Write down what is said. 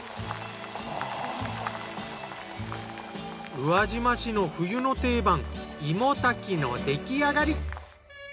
宇和島市の冬の定番芋炊きの出来上がり。